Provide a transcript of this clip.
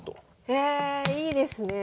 へえいいですねえ！